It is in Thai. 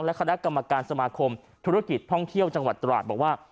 คณะกรรมการสมาคมธุรกิจท่องเที่ยวจังหวัดตราดบอกว่า